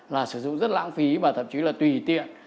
là sử dụng rất lãng phí và thậm chí là tùy tiện